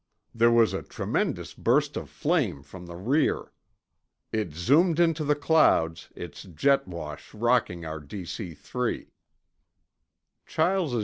There was a tremendous burst of flame from the rear. It zoomed into the clouds, its jet wash rocking our DC three."